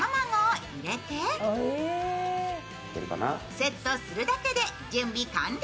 セットするだけで準備完了。